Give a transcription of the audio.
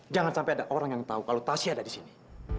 jangan sampai ada orang yang tahu kalau tasya ada di sini